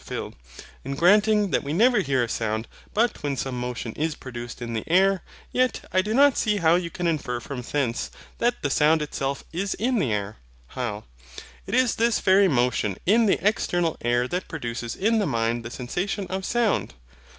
PHIL. And granting that we never hear a sound but when some motion is produced in the air, yet I do not see how you can infer from thence, that the sound itself is in the air. HYL. It is this very motion in the external air that produces in the mind the sensation of SOUND.